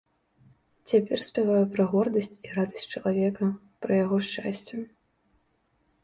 Цяпер спяваю пра гордасць і радасць чалавека, пра яго шчасце.